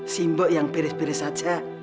si mbok yang peris peris aja